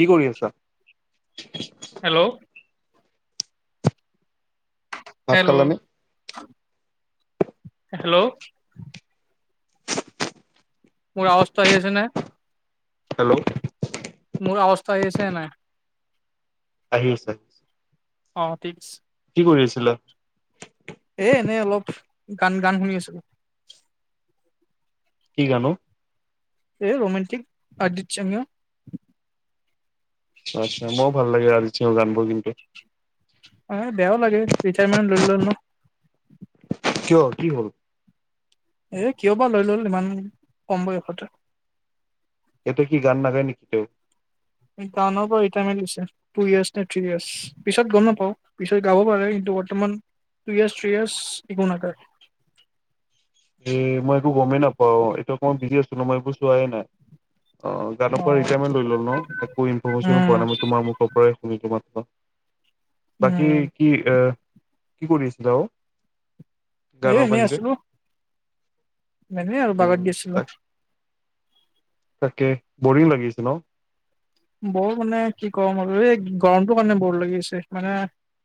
কি কৰি আছা? হেল্ল' ভাত হেল্ল' খালানে? হেল্ল' মোৰ আৱাজটো আহিছে নে? হেল্ল' মোৰ অৱাজ আহি আছে নে নাই? আহি আছে। অ ঠিকছে কি কৰি আছিলা? এ এনেই অলপ গান গান শুনি আছিলো। কি গান ও। এই ৰোমানণ্টিক আদিক চঙীয়া। আচ্ছা মইও ভাল লাগে আৰ্জিত সিংৰ গানবোৰ কিন্তু। এ বেয়াও লাগে, ৰিটায়াৰমেণ্ট লৈ লল ন। কিয় কি হ'ল? এ কিয় বা লৈ লল ইমান কম বয়সতে। এটো কি গান নাগায় নেকি তেও? নৰ পৰাৰি টু ইয় নে [inaudible] থয়্চ পিছত গম নাপাও পিত গাব পাৰে কিন্তু [unintelligible] বৰ্তমান টু ইয়াৰ্ছ থ্ৰী ইয়াৰ্ছ ইকো আকাৰ। এ মই একো গমেই নাপাওঁ এইটো অকমান বিজি আছিলো মই একো চোৱাই নাই। অ জান পৰা অ' ৰিটায়াৰমেণ লৈ লল ন, একো ইনফৰমেশ্যনো পোৱা উম নাই মই তোমাৰ মুখ পৰাই শুনিলো মা বাকী উম কি এ কি কৰি আছিলা অ? এ গানৰ এনেই বাহিৰে? আছিলো। এনেই আৰু বাগান উম গেছিলো। তাক তাকে বৰিং লাগিছে ন! বৰ মানে কি কম আৰু এই গৰমটো কাৰণে বৰ লাগিছে মানে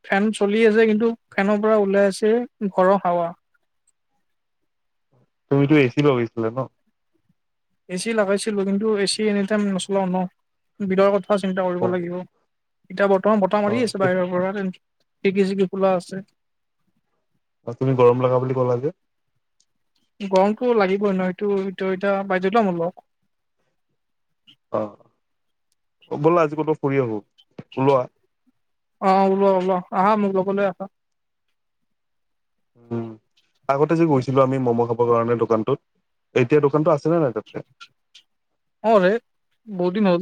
ফেন চলি আছে কিন্তু ফেনৰ পৰা ওলাই আছে ঘৰ হাৱা। তুমিতো এচি লগাইছিলা ন? এ চি লগাইছিলো কিন্তু এ চি এনি টাইম নচলাও ন, বিলৰ কথাও চিন্তা কৰিব অ লাগিব। এতিয়া বৰ্তমান বতাহ মাৰি আছে বাহিৰৰ পৰা খিৰকি চিৰকি খোলা আছে। তুমি গৰম লগা বুলি ক'লা যে। গৰমটো লাগিবই নহয় সেটো এটো এতিয়া বাধ্যতামূলক। অ ব'লা আজি কতো ফুৰি আহো ওলোৱা। আহ ওলোৱা ওলোৱা আহা মোক লগলৈ আহা। উম আগতে যে গৈছিলো আমি ম'ম' খাবৰ কাৰণে দোকানটোত এতিয়া দোকানত আ আছেনে নাই তাতে? অ ৰে বহুত দিন হ'ল,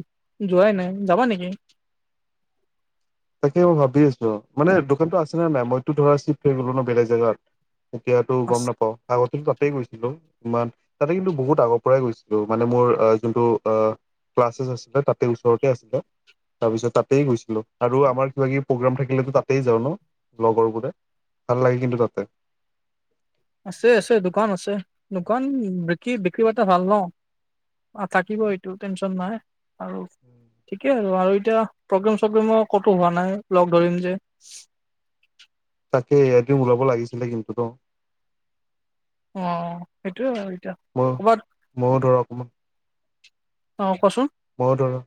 যোৱাই নাই যাবা নেকি? তাকে মই ভাবি আছো, মানে দোকানটো আছেনে নাই? মইতো ধৰা চিফ্ট হৈ গলো ন বেলেগ জেগাত। এতিয়াতো গম নাপাওঁ, আগতে কি তাতে গৈছিলো, ইমান তাতে কিন্তু বহুত আগৰ পৰাই গৈছিলো মানে মোৰ যোনটো আহ ক্লাছেছ আছিলে তাতে ওচৰতে আছিলে তাৰপিছত তাতেই গৈছিলোঁ- আৰু আমাৰ কিবা কিবি প্ৰগ্ৰাম থাকিলেতো তাতেই যাওঁ ন লগৰবোৰে ভাল লাগে কিন্তু তাতে- উ আছে আছে দোকান আছে দোকান বিক্ৰী বিক্ৰী বাৰ্তা ভাল ন- অ থাকিব এইটো টেনচন নাই আৰু ঠিকেই আৰু আৰু এতিয়া প্ৰগ্ৰেম- চগ্ৰেমৰ ক'তো হোৱা নাই লগ ধৰিম যে। তাকে এয়াদ ওলাব লাগিছিলে কিন্তুতো ন। অ সেইটোয়ে হয়। ম ময়ো ধৰক ম অ কচোন? ময়ো ধৰা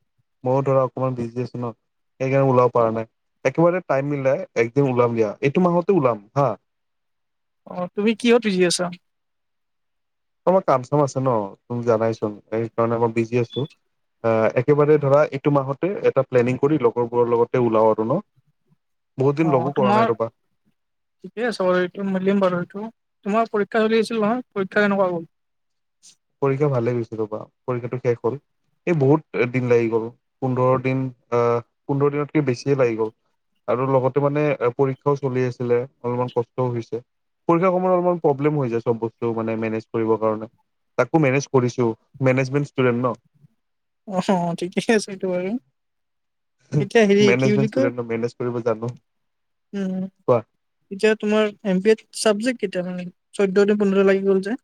ময়ো ধৰা অকমান বিজি আছো ন সেইকাৰণে ওলাব পৰা নাই। একেবাৰে টাইম মিলাই একদিন ওলাম দিয়া এইটো মাহতে ওলাম হা। আহ তুমি কিহতুজি আছা। অ কাম চাম আছে ন তুমি জানাইচোন সেই কাৰণে মই বিজি আছো। আহ একেবাৰে ধৰা এইটো মাহতে এটা প্লেনিং কৰি লগৰবোৰৰ লগতে ওলাও আৰু ন। বহুত দিন অ লগো কৰা নাই তোমাৰ ৰবা ঠিকে আছে বাৰু এইটো মিলিম বাৰু এইটো। তোমাৰ পৰীক্ষা চলি আছিল নহয়, পৰীক্ষা কেনেকুৱা গ'ল? পৰীক্ষা ভালে গৈছে ৰবা পৰীক্ষাটো শেষ হ'ল। এই বহুত দিন লাগি গ'ল পোন্ধৰ দিন আহ পোন্ধৰ দিনতকে বেছিয়ে লাগি গ'ল। আৰু লগতে মানে পৰীক্ষাও চলি আছিলে, অলপমান কষ্টও হৈছে। পৰীক্ষা কত অলপমান প্ৰব্লেম হৈ যায় চব বস্তু মানে মেনেজ কৰিবৰ কাৰণে। তাকো মেনেজ কৰিছো, মেনেজমেন্ট ষ্টুডেন্ট ন। অ ঠিকেইে আছে এইটো বাৰু- মেনেজমেন্টে মেনেজ কৰিব জানো। উ কোৱা এতিয়া তোমাৰ এম এড চাবজেক কেতিয়া মানে। চৈধ্যয়তে পোন্ধৰ লাগি গ'ল যে-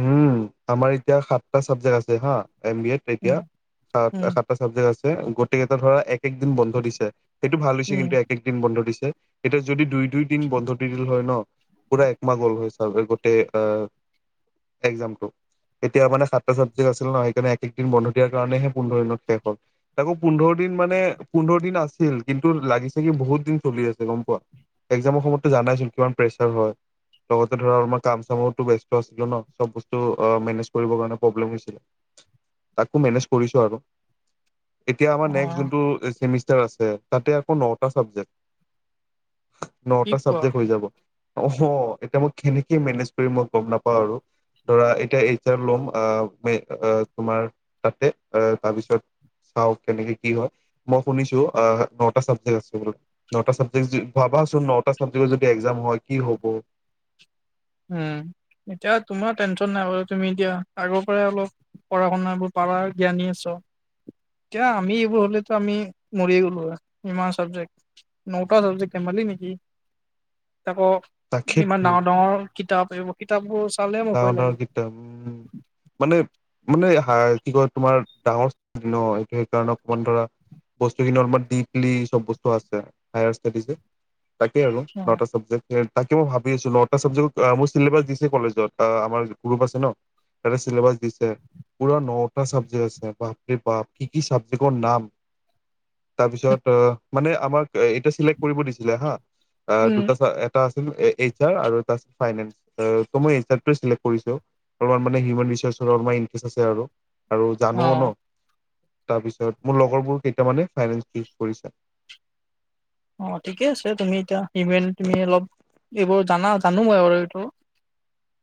উম আমাৰ এতিয়া সাতটা চাবজেক্ট আছে হা। এম বি এড তেতিয়া উম উম সাত সাতটা চাবজেক্ট আছে গোটেই কেইটা ধৰা এক এক দিন বন্ধ দিছে। এইেইটো ভাল হৈছে উম কিন্তু এক এক দিন বন্ধ দিছে এতিয়া। যদি দুই দুই দিন বন্ধ দি দিল হয় ন পুৰা একম গল হৈ চ গোটেই আহ- এজামটো- এতিয়া মানে ছাত্ৰ ছাবজেক্ট আছিল ন সেইকাৰণে একদিন বন্ধ দিয়াৰ কাৰণেহে পোন্ধৰ দিন শেষ হ'ল আাকৌ পোন্ধৰ দিন। মানে পোন্ধৰ দিন আছিল কিন্তু লাগিছে কি বহুত দিন চলি আছে গম পোৱা। এক্জামৰ সময়ততো জানাইচোন কিমান প্ৰেচাৰ হয় লগতে ধৰা আলমাৰ কাম চামোো ব্যস্ত আছিলো। ন চব বস্তু মেনেজ কৰিবৰ কাৰণ প্ৰব্লেম হৈছিল। তাকো মেনেজ কৰিছোঁ আৰু- এতিয়া আমাৰ অ নেক্ যোনটোেমষ্টাৰ আছে তাতে আকৌ নটা চাবজেক্ট- কি নটা কোৱা চাবজেক্ট হৈ যাব অ এতিয়া মই কেনেকে মেনেজ কৰি মই গম নাপাওঁ আৰু- ধৰা এতিয়া এতিয়া ল'ম আহ তোমাৰ তাতে আহ তাৰপিছত- চাওক কেনেকে কি হয় মই শুনিছো আহ নটা চাবজেক্ট আছে বোলো নটাবজেক- চাবাচোন নটা ছাবজেক্টৰ যদি এক্জাম হয়। কি হ'ব? উম এতিয়া তোমাৰ টেনশ্যন নাই বাৰ তুমি এতিয়া আগৰ পৰাই অলপ পঢ়া শুন বোৰ প প জ্ঞানী আছ এতি আমি এইবোৰ হলেতো আমি মৰিয়ে গ'লো আৰু ইমান চাবজেক্ট- নটা চব্জিকক কে মি নেকি- [inaudible] তকৌ ইমান তাকেইতো ডাঙৰ ডাঙৰ- কিতাপ এইবোৰ কিতাপবোৰ চালে মোৰ ভয় ডাঙৰ ডাঙৰ লাগে। কিত উম মানে- মানে হ কি কয় তোমাৰ ডাঙৰ ন এইটো সেইকাৰণে অকণমান ধৰা- বস্তুখিনি অলপমান ডিপলি চব বস্তু আছে হায়াৰ ষ্টডিজ তাকে আৰু নটা চাবজেক্ট তাকেই ভাবি আছো নটা ছাব্জেক্ট মোৰ চছিলেবাছ দিছে কলেজত অ আমাৰ গ্ৰুপ আছে ন তাতে চিলেবাছ দিছে পুৰা নটা চাবজেক্ট আছে বাপৰে বাপ কি কি চাবজেক্টৰ নাম তাৰপিছত অ মানে আমাক এতিয়া চিলেক্ট কৰিব দিছিলে হা উম। দুটা আছিল এইচ আৰ আৰু ত ফাইনেন্স ত মই এইচ আৰ কৰিছো। অলপমান মানে হিউমেন ৰিচৰ্চৰ অলমান ইন্টাৰেষ্ট আছে আৰু আৰু জানোও ন অ', তাৰপিছত মোৰ লগৰবোৰ কেইটামানে ফাইনেন্স শেষ কৰিছে। অ ঠিকে আছে তুমি এতিয়া হিউমেন তুমি অলপ এইবোৰ জানা জানো মই আৰু এইটো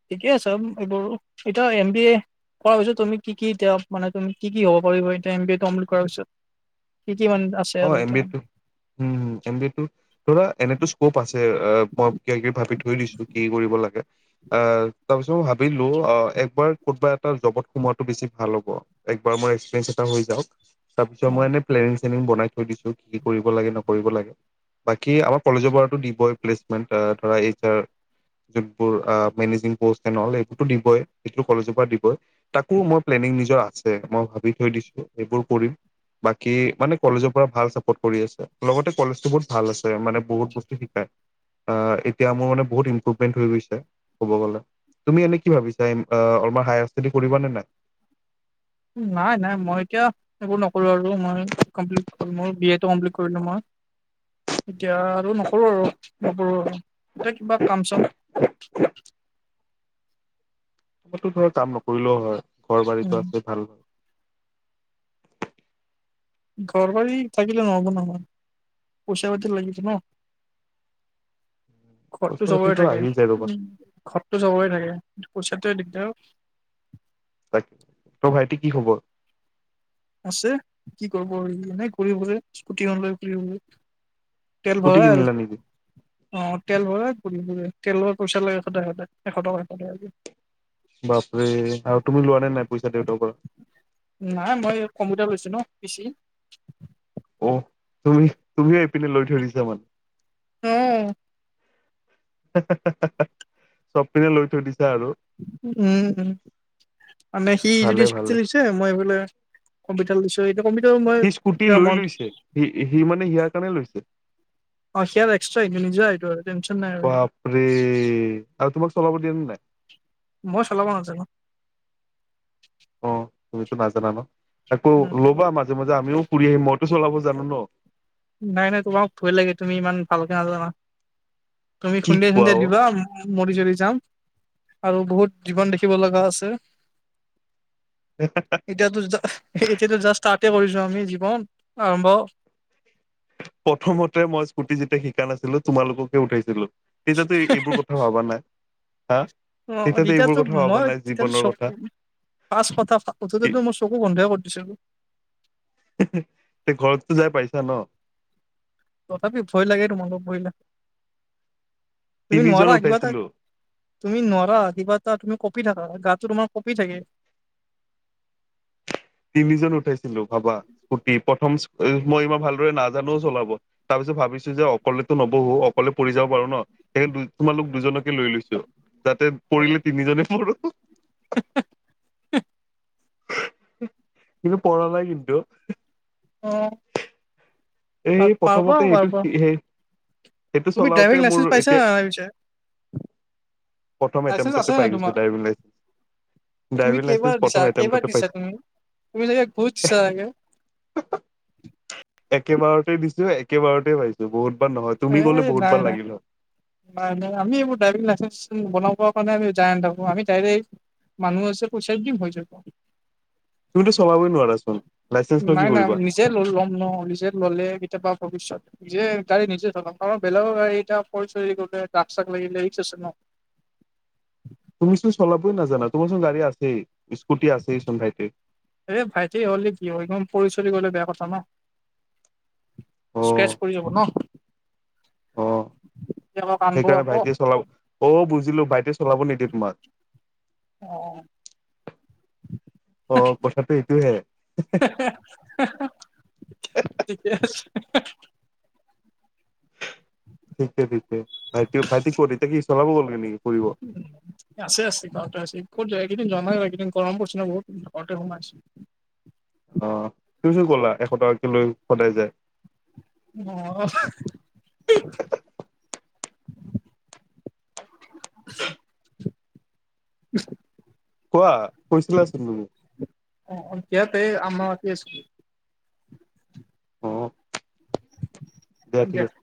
ঠিকে আছে এইবোৰ এতিয়া এম বি এ কৰাৰ পিছত তুমি কি কি এতিয়া মানে তুমি কি কি হব পাৰিব এতিয়া এম বি এ কমপ্লিট কৰাৰ পিছত কি মানে আছে অ আৰু এম বি এতিয়া? মানে? এটো হম হম এম বি এ ধৰা এনেটো স্পক আছে মই কিবা কিবি ভাবি থৈ দিছো কি কৰিব লাগে। তাৰ পাছত ভাবিলোঁ অ এক বাৰ কোনবা এটা জপৰ সোমোৱাটো বেছি ভাল হব এক বাৰ মই তাৰপিছত অ'। মই এ প্লে চনি বনাই থৈ দিছো কি কি কৰিব লাগে নকৰি লাগে। বাকী আমাৰ কলেজৰ পৰাতো দিবই প্লেচমেন্ট ধৰা এছ আৰ বোৰ আপ মেনিজিগ পস নহলে এইটোতো দিবই কলেজৰ পৰা দিবই নিগ নিজৰ আছে মই ভাবি থৈ দিছো সেইবোৰ কৰিম বাকি মানে কলেজৰ এনে পোৰা ভাল চাপৰ্ত কৰি আছে লগতে কলেজটো বহুত ভাল আছে মানে বহুত বস্তু শিকাই আহ এতিয়া মোৰ মানে বহুত ইম্প্ৰুভমেন্ট হৈ গৈছে ক'ব গ'লে তুমি এনেই কি ভাবিছা আমাৰ হায়াৰ ষ্টডি কৰিবা নে নাই? নাই নাই মই এতিয়া এইবোৰ আৰু মই কমপ্লিড মোৰ বি এ টো কমপ্লিড কৰিলো মই এতিয়া আৰু নকৰো আৰু নকৰো আৰু এতিয়া কিবা কাম চাম তোমো ধৰ কাম নকৰিলেও হয় ঘৰ বাৰী উম আছে ভাল ঘৰ বাৰী থাকিলে নহ'ব নহয় পইচা পাতি লাগিব ন [inaudible] ঘৰটো পইচা চবৰে পাতিতো থাকে আহি যায় ৰ'বা ঘৰটো চবৰে থাকে পইছাটোৱে দিগদাৰ অ তাক ত ভাইট কি খবৰ আছে কি কৰিব এনেই ঘূৰি ফুৰে স্কুটিখন লৈ ঘূৰি ফুৰে তেল স্কুটি ভৰা আৰু কিনিলা নেকি অ তেল ভৰাই তেলৰ পইচা লাগে সদায় সদায় এশ টকা এশ টকা বাপৰে আৰু তুমি লোৱা নে নাই পইচা দেউতাৰ পৰা নাই মই কম্পউটাৰ লৈছো ন পিচি অ তুমি তুমিও এইপিনে লৈ থৈ দিছা মানে হম চপ পিনে লৈ থৈ দিছে ন উম উম মানে সি যদি ভালে স্কৃতি ভালে লৈছে মই এফালে কম্পিউটাৰ লৈছো এইটো কম্পিউটাৰ মই সি স্কুটি এতিয়া লৈ মন লৈছে সি সি মানে সিয়াৰ কাৰণে লৈছে অ সেয় এক্সট্ৰা নিজেটো আৰু টেনশন নাই আৰু বাপৰে আৰু তোমাক চলাব দিয়ে নে নাই মই চলাব নাজানো অ তুমিতো নাজানা ন আকৌ উম লবা মাজে মাজে আমিও ফুৰি আহিম মইতো চলাব জানো ন নাই নাই তোমাক ভয় লাগে তুমি ইমান ভালকে নাজানা তুমি কি খুন্দিয়াই কোৱা খুন্দিয়াই অ দিবা মৰি চৰি যাম আৰু বহুত জীৱন দেখিব লগা আছে এতিয়াতো যা এতিয়াতো জাষ্ট ষ্টাৰ্টে কৰিছো আমি জীৱন আৰম্ভ প্ৰথমতে মই স্কুটি যেতিয়া শিকা নাছিলো তোমালোককে উঠাইছিলো তেয়াতো এইবোৰ কথা ভবা নাই হা অ তেতিয়াতো এতিয়া এইবোৰ তো কথা ভবা মই নাই ত চ। জীৱনৰ কথা পাঁচ কথা উঠোতেতো মই চকু বন্ধই কৰি দিছিলো। [inaudible] তে ঘৰততো যাই পাইছা ন? তথাপি ভয় লাগে তোমাৰ লগত বহিলে। তুমি তিনিজন নোৱাৰা কিবা এটা উঠাইছিলো তুমি নোৱাৰা কিবা এটা তুমি ক কপি থাককা গাটো তোমাৰ কপি থাকে। তিনিজন উঠাইছিলো ভাবা স্কুটি প্ৰথম। মই ইমান ভালদৰে নাজানোও চলাব তাৰ পিছত ভাবিছো যে অকলেতো নবহো অকলে পৰি যাব পাৰো ন! সেই তোমালোক দুজনকে লৈ লৈছো যাতে পৰিলে তিনিজনে পঢ়ো। [inaudible] [inaudible] কিন্তু পঢ়া নাই কিন্তু অ এই পাব প্ৰথমতে এইটো পাব। শি- সেই সেইটো চলাওতে মোৰ এতিয়া নে নাই পিছে প্ৰথম লাইচেন্ঞ্চ এটেমটতে আছে পাই নাই গৈছো তোমাৰ ড্ৰাইভিং লাইচেন্ঞ্চ। তুমি ড্ৰাইভিং কেইবাৰ লাইচেন্ঞ্চ দিছা প্ৰথম কেইবাৰ এটেমটতে দিছা পাইছো। তুমি তুমি চাগে ঘোচ দিছা চাগে একেবাৰতে দিছো একেবাৰতে পাইছো বহুত। বাৰ নহয় তুমি এই গ'লে বহুত নাই বাৰ নাই লাগিল হয় নাই নাই আমি এইবোৰ ড্ৰাইভিং লাইচেন্ঞ্চ বনাব পাৰো আমি যাই নাথাকো আমি ডাইৰে মানুহ আছে পইচা দিম হৈ যাব। তুমিটো চলাব নোৱাৰা চোন। নাই নাই নিজে ল'ম ন নিজে ললে কেতিয়াবা ভৱিষ্যয়ত নিজে। গাড়ী নিজে চলাম কাৰণ বেলেগৰ গাড়ী এটা পৰি গলে দাগ চাক লাগিলে ৰিস্ক আছে ন? তুমিচোন চলাবই নাজানা তোমাৰচোন গাডী আছেই। স্কুটি আছেই চোন ভাইটিৰ এ ভাইটি হ'লে কি একদম পৰি চৰি গলে বেয়া কথা ন। অ স্কেচ পৰি যাব ন। অ কেতিয়াবা কামবোৰ সেইকাৰণে আকৌ ভাইটি চলাব অ বুজি ভাবিছিলো ভাইটিয়ে চলাব নিদিয়ে অ', তোমাক। অ কথাটো এইটোহে হে হে। হে হে ঠিকে ঠিকে ভাইটি ভাইটি ক'ত এতিয়া কি চলাব গ'ল নে নেকি? কৰিব। আছে আছে ঘৰতে আছে। ক'ত যোৱা একেইদিন যোৱা নাই গৰম পছ ন বহুত ঘৰতে সোমাইছো। আহ তুমি কলা এশ টকাক লৈ সদায় যায়। অ [inaudible] [inaudible] [inaudible] কোৱা। কৈছিলাচোন তুমি অ ইয়াতে আমি ৰখি আছো। দে থিক আছে।